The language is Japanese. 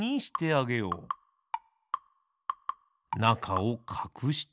なかをかくして。